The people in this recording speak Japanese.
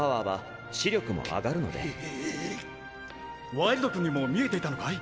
ワイルド君にも見えていたのかい？